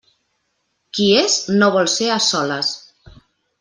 Qui és, no vol ser a soles.